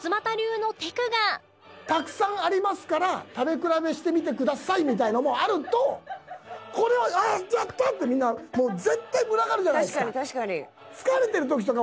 「沢山ありますから食べ比べしてみて下さい」みたいなのもあるとこれはやったー！ってみんな絶対群がるじゃないですか。